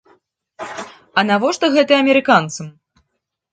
А навошта гэта амерыканцам?